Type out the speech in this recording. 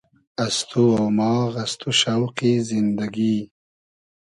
از تو اۉماغ از تو شۆقی زیندئگی